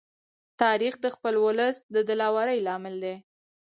تاریخ د خپل ولس د دلاوري لامل دی.